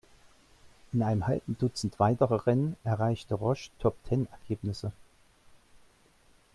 In einem halben Dutzend weiterer Rennen erreichte Roche Top-Ten-Ergebnisse.